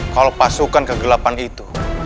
kalau pasukan kegelapan itu